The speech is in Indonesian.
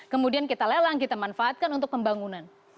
kemudian kita lelang kita manfaatkan untuk pembangunan